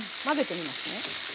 混ぜてみますね。